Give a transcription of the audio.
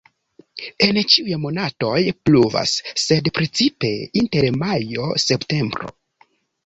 En ĉiuj monatoj pluvas, sed precipe inter majo-septembro.